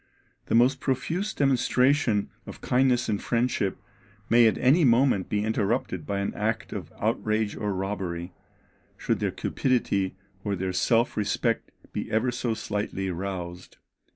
The most profuse demonstration of kindness and friendship may at any moment be interrupted by an act of outrage or robbery, should their cupidity or their self respect be ever so slightly roused."